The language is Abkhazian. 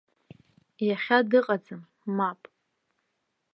Иахьа дыҟаӡам, мап.